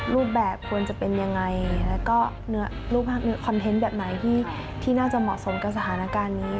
รูปแบบควรจะเป็นยังไงแล้วก็รูปภาพเนื้อคอนเทนต์แบบไหนที่น่าจะเหมาะสมกับสถานการณ์นี้